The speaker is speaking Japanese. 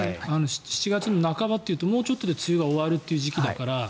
７月半ばというともうちょっとで梅雨が終わる時期だから。